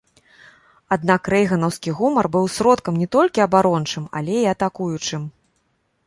Аднак рэйганаўскі гумар быў сродкам не толькі абарончым, але і атакуючым.